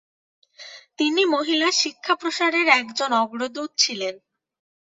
তিনি মহিলা শিক্ষা প্রসারের একজন অগ্রদূত ছিলেন।